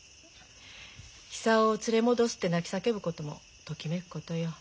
久男を連れ戻すって泣き叫ぶこともときめくことよ。